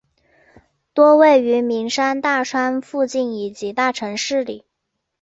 多位于名山大川附近以及大城市里。